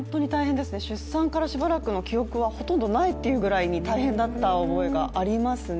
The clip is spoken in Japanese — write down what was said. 出産からしばらくの記憶はほとんどないというくらいに大変だった思いがありますね。